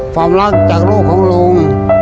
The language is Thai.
ฟับรักจากลูกของลุง